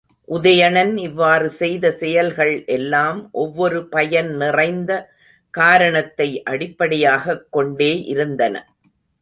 உதயணன் இவ்வாறு செய்த செயல்கள் எல்லாம், ஒவ்வொரு பயன் நிறைந்த காரணத்தை அடிப்படையாகக் கொண்டே இருந்தன.